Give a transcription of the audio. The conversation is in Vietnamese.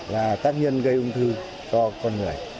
và tất nhiên gây ung thư cho con người